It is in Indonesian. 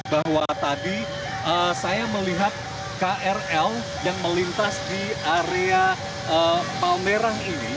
bahwa tadi saya melihat krl yang melintas di area palmerah ini